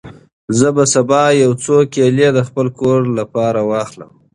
زه به سبا یو څو کیلې د خپل کور لپاره واخلم.